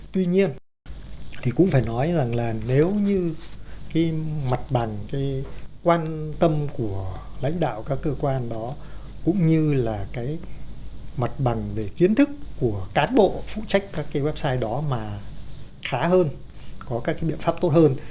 tuy nhiên thì cũng phải nói rằng là nếu như cái mặt bằng cái quan tâm của lãnh đạo các cơ quan đó cũng như là cái mặt bằng về kiến thức của cán bộ phụ trách các cái website đó mà khá hơn có các cái biện pháp tốt hơn